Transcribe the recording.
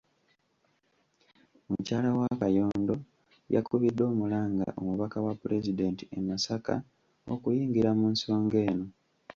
Mukyala wa Kayondo, yakubidde omulanga omubaka wa Pulezidenti e Masaka okuyingira mu nsonga eno.